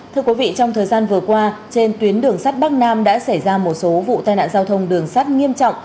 thưa quý vị trong thời gian vừa qua trên tuyến đường sắt bắc nam đã xảy ra một số vụ tai nạn giao thông đường sắt nghiêm trọng